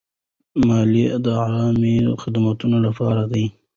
مالیه د عامه خدمتونو لپاره ده.